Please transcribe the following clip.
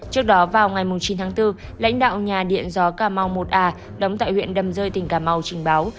trước đó vào ngày chín tháng bốn lãnh đạo nhà điện gió cà mau một a đóng tại huyện đầm rơi tỉnh cà mau trình báo